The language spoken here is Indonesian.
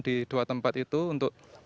di dua tempat itu untuk